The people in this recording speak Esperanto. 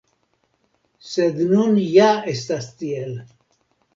Sed nun ja estas tiel.